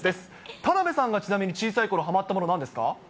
田辺さんがちなみに小さいころはまったものなんですか？